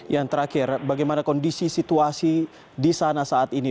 yang terakhir bagaimana kondisi situasi di sana saat ini